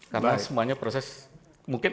karena semuanya proses mungkin